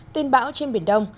tên bão trên biển đông